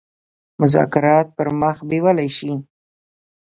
مذاکرات پر مخ بېولای سي.